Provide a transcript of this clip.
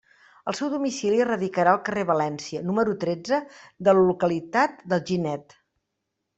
El seu domicili radicarà al carrer València, número tretze, de la localitat d'Alginet.